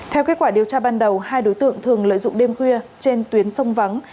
theo kết quả điều tra ban đầu hai đối tượng thường lợi dụng đêm khuya trên tuyến sông vắng